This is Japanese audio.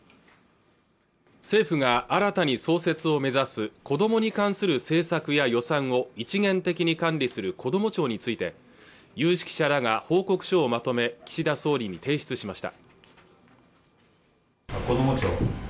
政府が新たに創設を目指すこどもに関する政策や予算を一元的に管理するこども庁について有識者らが報告書をまとめ岸田総理に提出しました